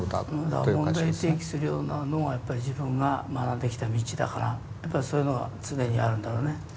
だから問題提起するようなのがやっぱり自分が学んできた道だからやっぱりそういうのが常にあるんだろうね。